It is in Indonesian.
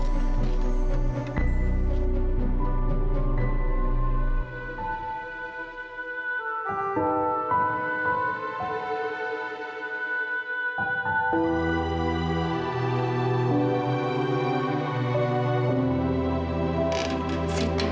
saya nggak bener sama maksudnya